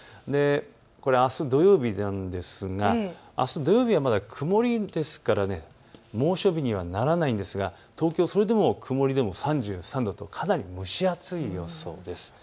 これはあす土曜日ですがあす土曜日はまだ曇りですから猛暑日にはならないんですが東京はそれでも曇りでも３３度とかなり蒸し暑い予想です。